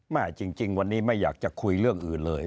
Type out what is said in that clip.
จริงวันนี้ไม่อยากจะคุยเรื่องอื่นเลย